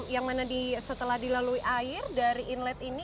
yang mana setelah dilalui air dari inlet ini